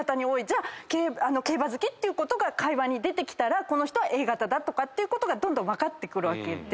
じゃあ競馬好きっていうことが会話に出てきたらこの人はＡ型ってどんどん分かってくる。